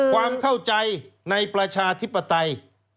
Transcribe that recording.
ความเข้าใจในประชาธิปไตย